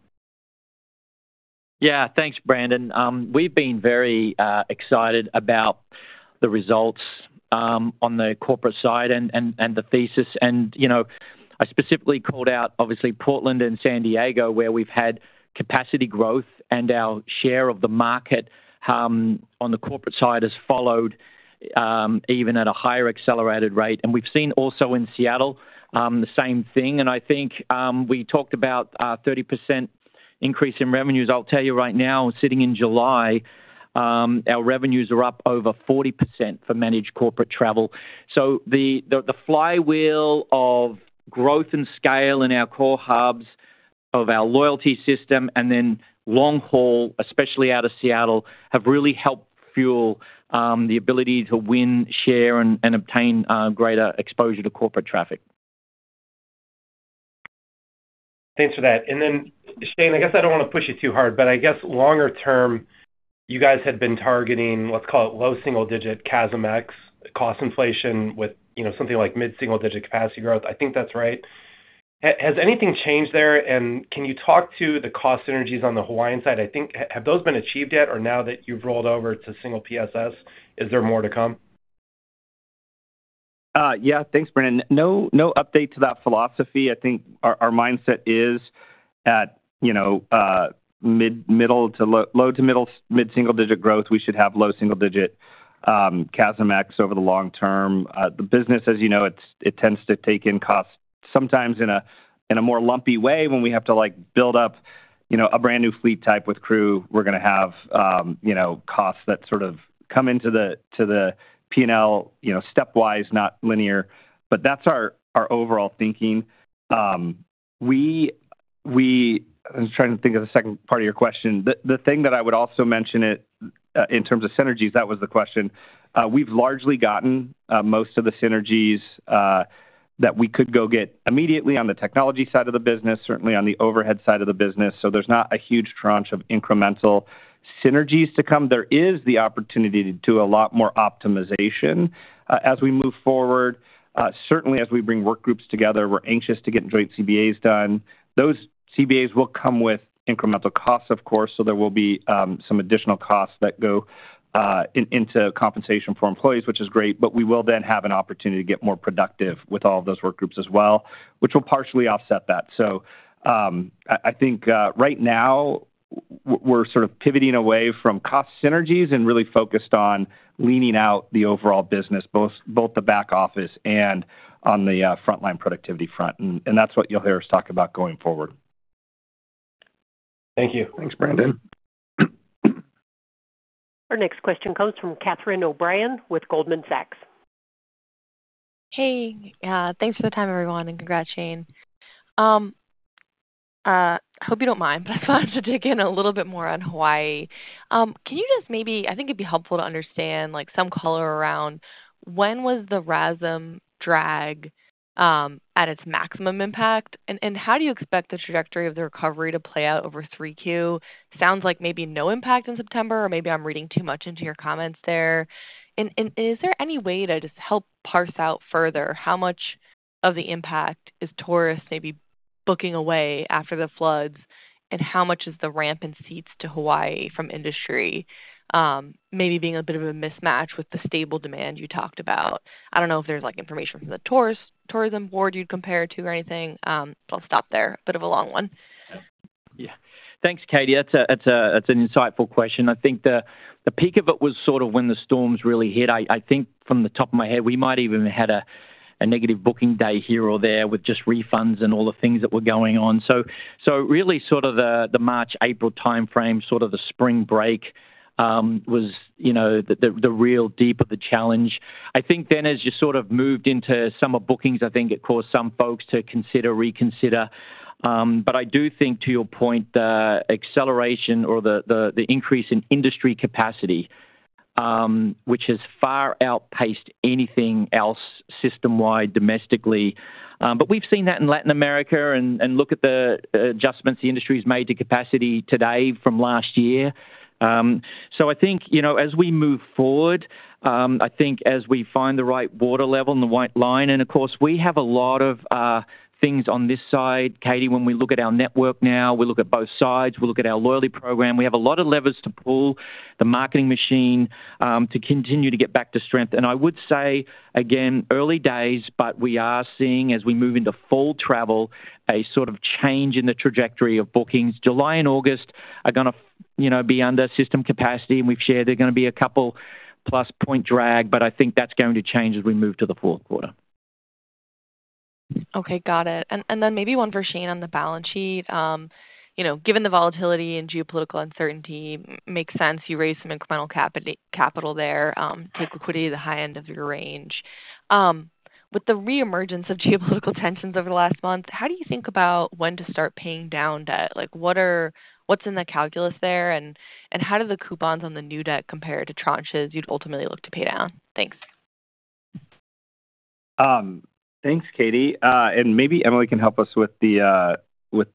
D: Yeah. Thanks, Brandon. We've been very excited about the results on the corporate side and the thesis, and I specifically called out, obviously, Portland and San Diego, where we've had capacity growth and our share of the market on the corporate side has followed even at a higher accelerated rate. And we've seen also in Seattle the same thing, and I think we talked about a 30% increase in revenues. I'll tell you right now, sitting in July, our revenues are up over 40% for managed corporate travel. The flywheel of growth and scale in our core hubs of our loyalty system and then long-haul, especially out of Seattle, have really helped fuel the ability to win share and obtain greater exposure to corporate traffic.
K: Thanks for that. Shane, I guess I don't want to push you too hard, but I guess longer term, you guys had been targeting, let's call it low single-digit CASMex cost inflation with something like mid-single digit capacity growth. I think that's right. Has anything changed there? Can you talk to the cost synergies on the Hawaiian side? Have those been achieved yet? Now that you've rolled over to single PSS, is there more to come?
E: Thanks, Brandon. No update to that philosophy. I think our mindset is at low- to mid-single digit growth. We should have low single-digit CASMex over the long term. The business, as you know, it tends to take in costs sometimes in a more lumpy way when we have to build up a brand new fleet type with crew. We're going to have costs that sort of come into the P&L stepwise, not linear. That's our overall thinking. I'm trying to think of the second part of your question. The thing that I would also mention in terms of synergies, that was the question, we've largely gotten most of the synergies that we could go get immediately on the technology side of the business, certainly on the overhead side of the business. There's not a huge tranche of incremental synergies to come. There is the opportunity to do a lot more optimization as we move forward. Certainly as we bring work groups together, we're anxious to get joint CBAs done. Those CBAs will come with incremental costs, of course, so there will be some additional costs that go into compensation for employees, which is great, but we will then have an opportunity to get more productive with all of those work groups as well, which will partially offset that. I think right now we're sort of pivoting away from cost synergies and really focused on leaning out the overall business, both the back office and on the frontline productivity front. That's what you'll hear us talk about going forward.
K: Thank you.
E: Thanks, Brandon.
A: Our next question comes from Catherine O'Brien with Goldman Sachs.
L: Hey, thanks for the time, everyone, and congrats, Shane. I hope you don't mind, but I wanted to dig in a little bit more on Hawaii. I think it'd be helpful to understand some color around when was the RASM drag at its maximum impact, and how do you expect the trajectory of the recovery to play out over 3Q? Sounds like maybe no impact in September, or maybe I'm reading too much into your comments there. Is there any way to just help parse out further how much of the impact is tourists maybe booking away after the floods, and how much is the rampant seats to Hawaii from industry maybe being a bit of a mismatch with the stable demand you talked about? I don't know if there's information from the tourism board you'd compare to or anything. I'll stop there. Bit of a long one.
D: Yeah. Thanks, Katie. That's an insightful question. I think the peak of it was sort of when the storms really hit. I think from the top of my head, we might even had a negative booking day here or there with just refunds and all the things that were going on. Really sort of the March-April timeframe, sort of the spring break, was the real deep of the challenge. I think then as you sort of moved into summer bookings, I think it caused some folks to consider, reconsider. I do think to your point, the acceleration or the increase in industry capacity, which has far outpaced anything else system-wide domestically. We've seen that in Latin America and look at the adjustments the industry's made to capacity today from last year. I think, as we move forward, I think as we find the right water level and the white line, of course, we have a lot of things on this side, Katie. When we look at our network now, we look at both sides. We look at our loyalty program. We have a lot of levers to pull, the marketing machine, to continue to get back to strength. I would say again, early days, but we are seeing as we move into full travel, a sort of change in the trajectory of bookings. July and August are going to be under system capacity, and we've shared they're going to be a couple plus point drag, but I think that's going to change as we move to the fourth quarter.
L: Okay. Got it. Then maybe one for Shane on the balance sheet. Given the volatility and geopolitical uncertainty, makes sense you raised some incremental capital there. Take liquidity at the high end of your range. With the reemergence of geopolitical tensions over the last month, how do you think about when to start paying down debt? What's in the calculus there, and how do the coupons on the new debt compare to tranches you'd ultimately look to pay down? Thanks.
E: Thanks, Katie. Maybe Emily can help us with the sort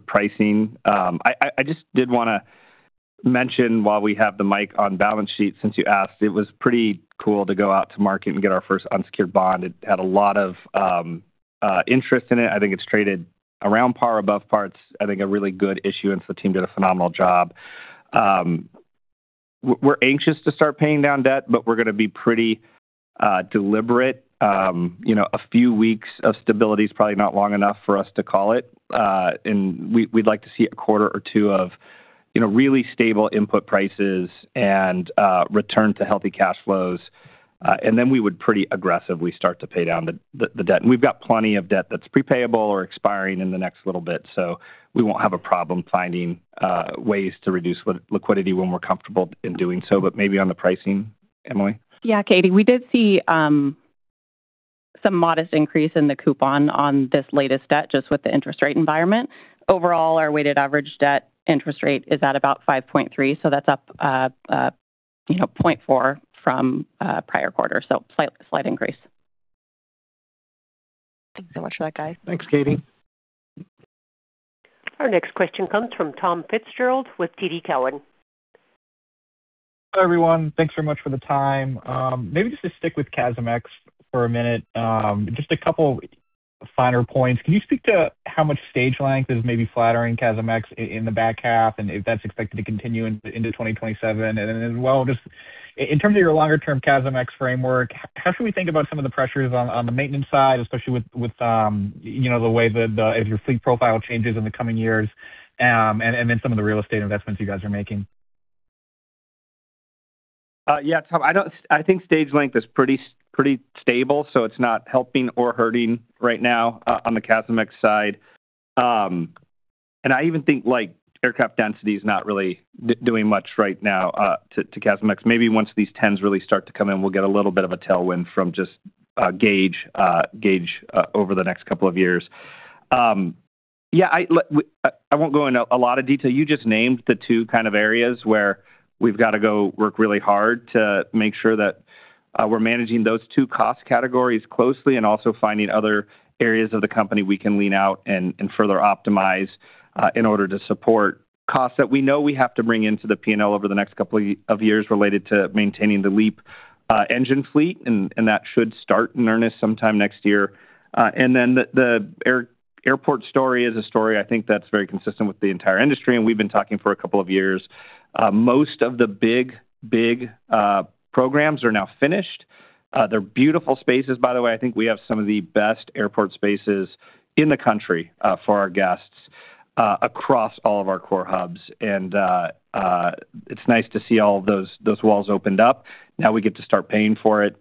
E: of pricing. I just did want to mention while we have the mic on balance sheet, since you asked, it was pretty cool to go out to market and get our first unsecured bond. It had a lot of interest in it. I think it's traded around par, above par. It's, I think, a really good issuance. The team did a phenomenal job. We're anxious to start paying down debt, we're going to be pretty deliberate. A few weeks of stability is probably not long enough for us to call it. We'd like to see a quarter or two of really stable input prices and return to healthy cash flows. Then we would pretty aggressively start to pay down the debt. We've got plenty of debt that's pre-payable or expiring in the next little bit, we won't have a problem finding ways to reduce liquidity when we're comfortable in doing so. Maybe on the pricing, Emily?
H: Yeah, Katie. We did see some modest increase in the coupon on this latest debt just with the interest rate environment. Overall, our weighted average debt interest rate is at about 5.3%, that's up 0.4% from prior quarter. Slight increase.
L: Thanks so much for that, guys.
D: Thanks, Katie.
A: Our next question comes from Tom Fitzgerald with TD Cowen.
M: Hi, everyone. Thanks very much for the time. Maybe just to stick with CASMex for a minute. Just a couple finer points. Can you speak to how much stage length is maybe flattering CASMex in the back half, and if that's expected to continue into 2027? As well, just in terms of your longer-term CASMex framework, how should we think about some of the pressures on the maintenance side, especially with the way that as your fleet profile changes in the coming years, and then some of the real estate investments you guys are making?
E: Yeah, Tom, I think stage length is pretty stable. It's not helping or hurting right now on the CASMex side. I even think aircraft density is not really doing much right now to CASMex. Maybe once these 10s really start to come in, we'll get a little bit of a tailwind from just gauge over the next couple of years. I won't go into a lot of detail. You just named the two kind of areas where we've got to go work really hard to make sure that we're managing those two cost categories closely and also finding other areas of the company we can lean out and further optimize in order to support costs that we know we have to bring into the P&L over the next couple of years related to maintaining the LEAP engine fleet, and that should start in earnest sometime next year. The airport story is a story I think that's very consistent with the entire industry. We've been talking for a couple of years. Most of the big programs are now finished. They're beautiful spaces, by the way. I think we have some of the best airport spaces in the country for our guests across all of our core hubs. It's nice to see all of those walls opened up. Now we get to start paying for it.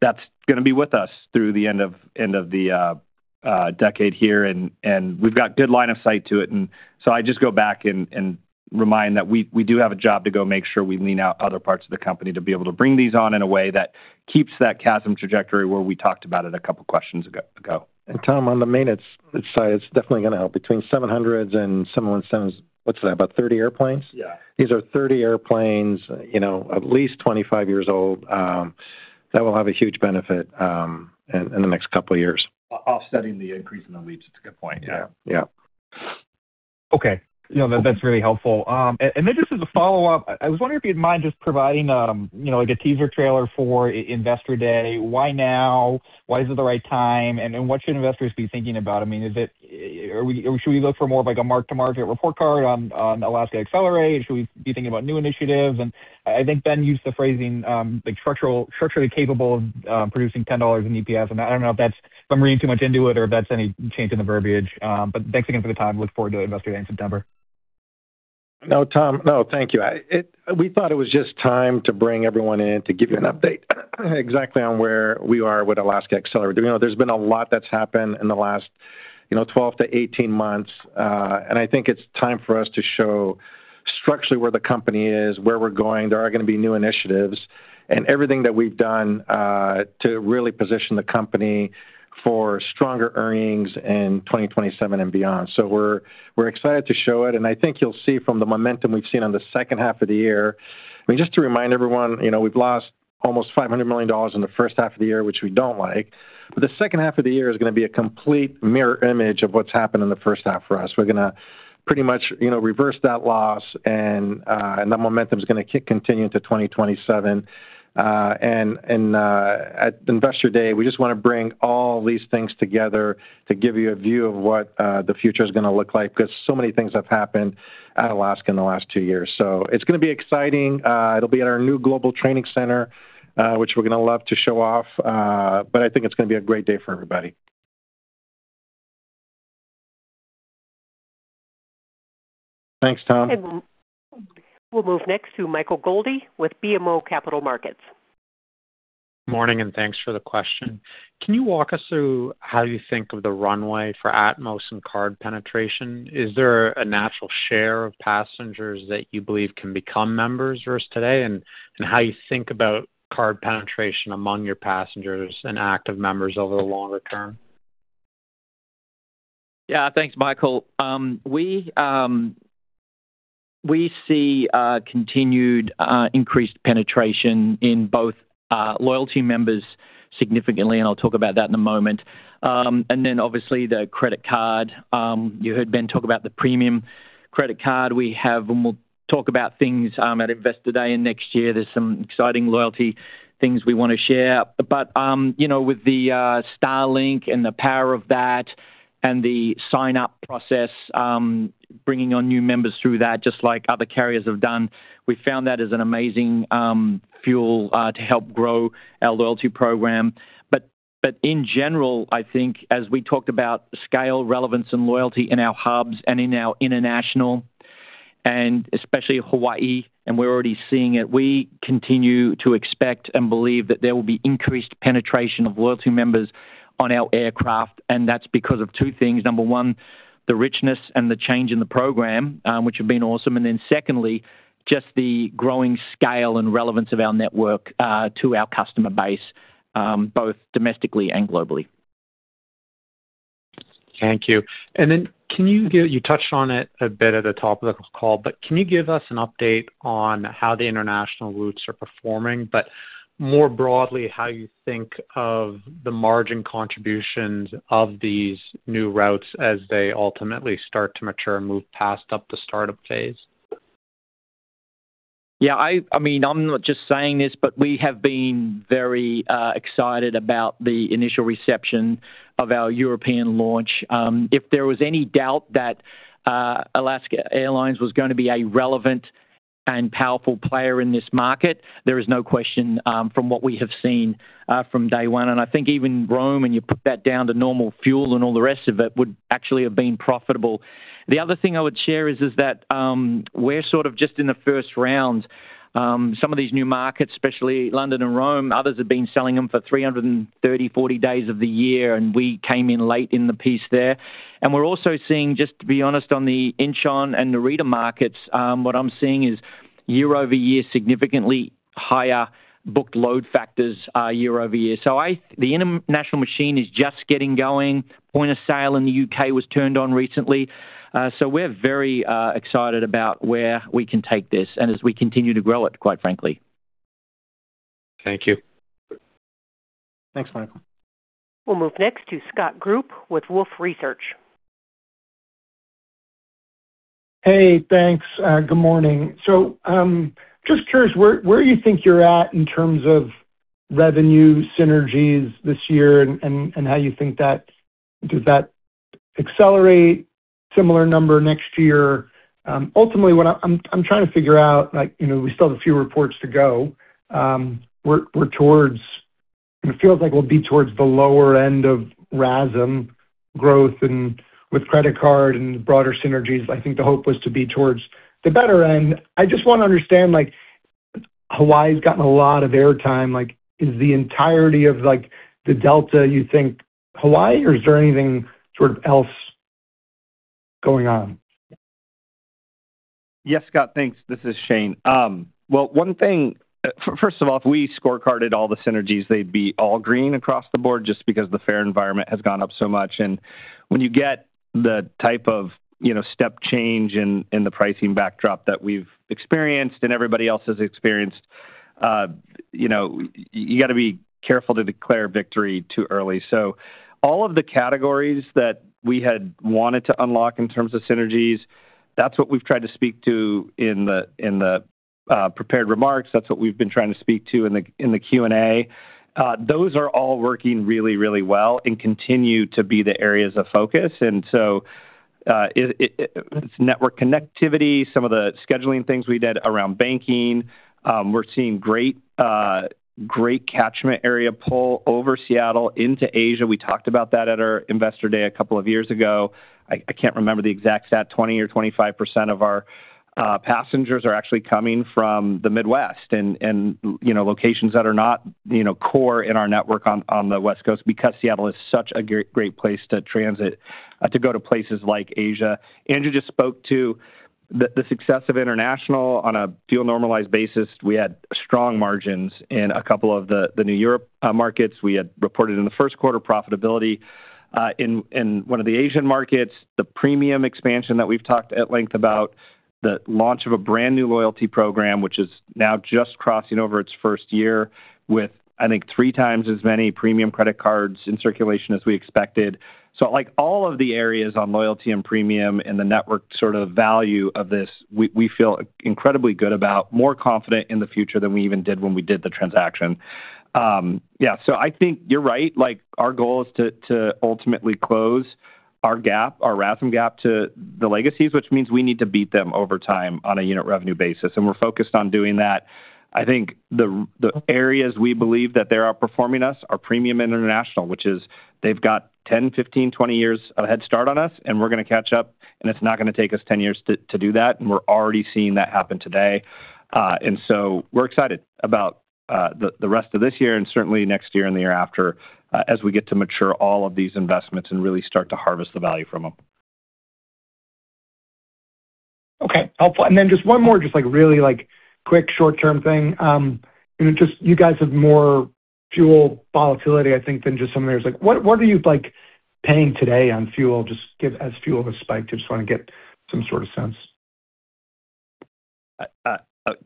E: That's going to be with us through the end of the decade here and we've got good line of sight to it. I just go back and remind that we do have a job to go make sure we lean out other parts of the company to be able to bring these on in a way that keeps that CASM trajectory where we talked about it a couple of questions ago.
C: Tom, on the maintenance side, it's definitely going to help. Between 700 and someone says, what's that, about 30 airplanes?
D: Yeah.
C: These are 30 airplanes at least 25 years old. That will have a huge benefit in the next couple of years.
D: Offsetting the increase in the leases. That's a good point. Yeah.
C: Yeah.
M: Okay. That's really helpful. Then just as a follow-up, I was wondering if you'd mind just providing like a teaser trailer for Investor Day. Why now? Why is it the right time, and what should investors be thinking about? Should we look for more of like a mark-to-market report card on Alaska Accelerate? Should we be thinking about new initiatives? I think Ben used the phrasing, structurally capable of producing $10 in EPS, and I don't know if I'm reading too much into it or if that's any change in the verbiage. Thanks again for the time. Look forward to Investor Day in September.
C: No, Tom. No, thank you. We thought it was just time to bring everyone in to give you an update exactly on where we are with Alaska Accelerate. There's been a lot that's happened in the last 12 to 18 months. I think it's time for us to show structurally where the company is, where we're going. There are going to be new initiatives and everything that we've done to really position the company for stronger earnings in 2027 and beyond. We're excited to show it, and I think you'll see from the momentum we've seen on the second half of the year. Just to remind everyone, we've lost almost $500 million in the first half of the year, which we don't like. The second half of the year is going to be a complete mirror image of what's happened in the first half for us. We're going to pretty much reverse that loss. That momentum is going to continue into 2027. At Investor Day, we just want to bring all these things together to give you a view of what the future's going to look like, because so many things have happened at Alaska in the last two years. It's going to be exciting. It'll be at our new global training center, which we're going to love to show off. I think it's going to be a great day for everybody. Thanks, Tom.
A: We'll move next to Michael Goldie with BMO Capital Markets.
N: Morning. Thanks for the question. Can you walk us through how you think of the runway for Atmos and card penetration? Is there a natural share of passengers that you believe can become members versus today, and how you think about card penetration among your passengers and active members over the longer term?
D: Yeah. Thanks, Michael. We see continued increased penetration in both loyalty members significantly. I'll talk about that in a moment. Then obviously the credit card. You heard Ben talk about the premium credit card we have. We'll talk about things at Investor Day and next year. There's some exciting loyalty things we want to share. With the Starlink and the power of that and the sign-up process, bringing on new members through that, just like other carriers have done, we found that is an amazing fuel to help grow our loyalty program. In general, I think as we talked about scale, relevance, and loyalty in our hubs and in our international, and especially Hawaii. We're already seeing it. We continue to expect and believe that there will be increased penetration of loyalty members on our aircraft, and that's because of two things. Number one, the richness and the change in the program, which have been awesome. Secondly, just the growing scale and relevance of our network to our customer base both domestically and globally.
N: Thank you. You touched on it a bit at the top of the call, can you give us an update on how the international routes are performing, more broadly, how you think of the margin contributions of these new routes as they ultimately start to mature and move past the startup phase?
D: Yeah. I'm not just saying this, we have been very excited about the initial reception of our European launch. If there was any doubt that Alaska Airlines was going to be a relevant and powerful player in this market, there is no question from what we have seen from day one. I think even Rome, and you put that down to normal fuel and all the rest of it, would actually have been profitable. The other thing I would share is that we're sort of just in the first round. Some of these new markets, especially London and Rome, others have been selling them for 330, 340 days of the year, and we came in late in the piece there. We're also seeing, just to be honest, on the Incheon and Narita markets, what I'm seeing is year-over-year, significantly higher booked load factors year-over-year. The international machine is just getting going. Point of sale in the U.K. was turned on recently. We're very excited about where we can take this and as we continue to grow it, quite frankly.
N: Thank you.
D: Thanks, Michael.
A: We'll move next to Scott Group with Wolfe Research.
O: Just curious where you think you're at in terms of revenue synergies this year and Does that accelerate similar number next year? Ultimately, what I'm trying to figure out, we still have a few reports to go. It feels like we'll be towards the lower end of RASM growth and with credit card and broader synergies, I think the hope was to be towards the better end. I just want to understand. Hawaii's gotten a lot of air time. Is the entirety of the delta, you think, Hawaii, or is there anything sort of else going on?
E: Yes, Scott. Thanks. This is Shane. Well, one thing, first of all, if we scorecarded all the synergies, they'd be all green across the board just because the fare environment has gone up so much. When you get the type of step change in the pricing backdrop that we've experienced, and everybody else has experienced, you got to be careful to declare victory too early. All of the categories that we had wanted to unlock in terms of synergies, that's what we've tried to speak to in the prepared remarks. That's what we've been trying to speak to in the Q&A. Those are all working really well and continue to be the areas of focus. It's network connectivity, some of the scheduling things we did around banking. We're seeing great catchment area pull over Seattle into Asia. We talked about that at our Investor Day a couple of years ago. I can't remember the exact stat, 20% or 25% of our passengers are actually coming from the Midwest and locations that are not core in our network on the West Coast because Seattle is such a great place to transit to go to places like Asia. Andrew just spoke to the success of international on a fuel-normalized basis. We had strong margins in a couple of the new Europe markets. We had reported in the first quarter profitability in one of the Asian markets, the premium expansion that we've talked at length about, the launch of a brand-new loyalty program, which is now just crossing over its first year with, I think, three times as many premium credit cards in circulation as we expected. All of the areas on loyalty and premium and the network sort of value of this, we feel incredibly good about, more confident in the future than we even did when we did the transaction. Yeah. I think you're right. Our goal is to ultimately close our gap, our RASM gap to the legacies, which means we need to beat them over time on a unit revenue basis, and we're focused on doing that. I think the areas we believe that they're outperforming us are premium and international, which is they've got 10 years, 15 years, 20 years of a head start on us, and we're going to catch up, and it's not going to take us 10 years to do that, and we're already seeing that happen today. We're excited about the rest of this year and certainly next year and the year after as we get to mature all of these investments and really start to harvest the value from them.
O: Okay. Helpful. Just one more, just really quick short-term thing. You guys have more fuel volatility, I think, than just some of theirs. What are you paying today on fuel? Just as fuel has spiked, I just want to get some sort of sense.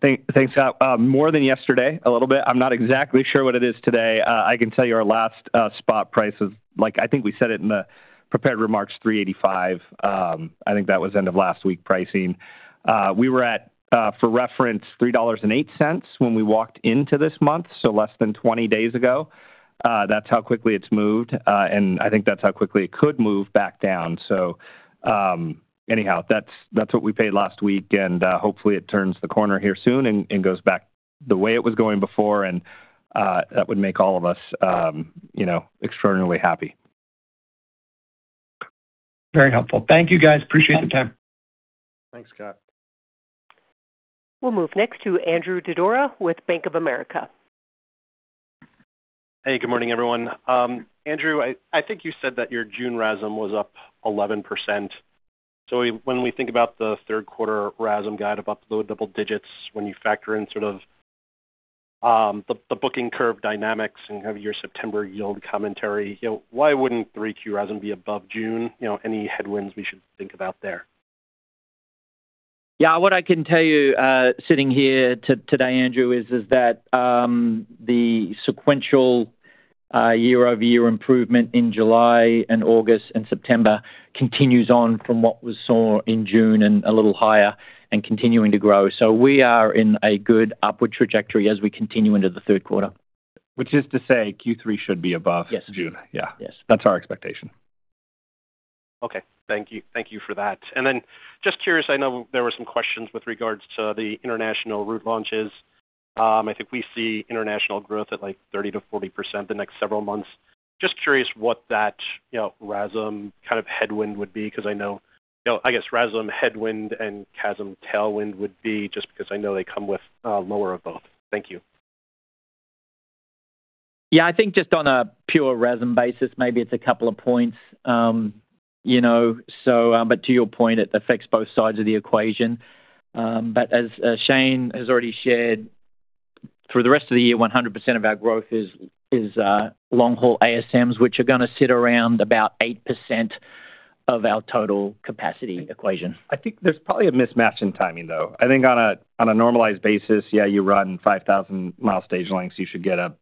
E: Thanks, Scott. More than yesterday a little bit. I'm not exactly sure what it is today. I can tell you our last spot price is, I think we said it in the prepared remarks, $3.85. I think that was end of last week pricing. We were at, for reference, $3.08 when we walked into this month, so less than 20 days ago. That's how quickly it's moved. I think that's how quickly it could move back down. Anyhow, that's what we paid last week, and hopefully, it turns the corner here soon and goes back the way it was going before and that would make all of us extraordinarily happy.
O: Very helpful. Thank you, guys. Appreciate the time.
E: Thanks, Scott.
A: We'll move next to Andrew Didora with Bank of America.
P: Hey, good morning, everyone. Andrew, I think you said that your June RASM was up 11%. When we think about the third quarter RASM guide of up low double digits, when you factor in sort of the booking curve dynamics and your September yield commentary, why wouldn't 3Q RASM be above June? Any headwinds we should think about there?
D: Yeah. What I can tell you sitting here today, Andrew, is that the sequential year-over-year improvement in July and August and September continues on from what was saw in June and a little higher and continuing to grow. We are in a good upward trajectory as we continue into the third quarter. Which is to say Q3 should be above June.
E: Yes.
D: Yes. That's our expectation.
P: Okay. Thank you. Thank you for that. Then just curious, I know there were some questions with regards to the international route launches. I think we see international growth at 30%-40% the next several months. Just curious what that RASM kind of headwind would be, because I guess RASM headwind and CASM tailwind would be just because I know they come with lower of both. Thank you.
D: Yeah, I think just on a pure RASM basis, maybe it's a couple of points. To your point, it affects both sides of the equation. As Shane has already shared, for the rest of the year, 100% of our growth is long-haul ASMs, which are gonna sit around about 8% of our total capacity equation.
E: I think there's probably a mismatch in timing, though. I think on a normalized basis, yeah, you run 5,000-mi stage lengths, you should get a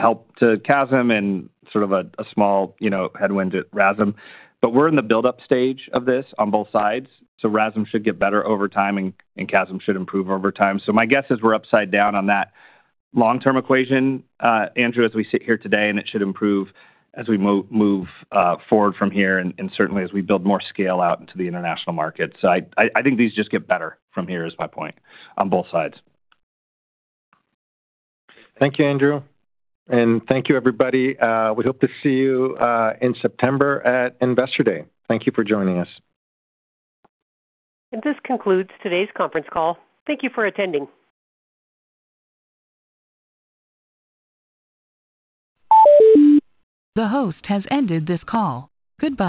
E: help to CASM and sort of a small headwind to RASM. We're in the build-up stage of this on both sides, RASM should get better over time, and CASM should improve over time. My guess is we're upside down on that long-term equation, Andrew, as we sit here today, and it should improve as we move forward from here and certainly as we build more scale out into the international market. I think these just get better from here is my point, on both sides.
B: Thank you, Andrew. Thank you everybody. We hope to see you in September at Investor Day. Thank you for joining us.
A: This concludes today's conference call. Thank you for attending.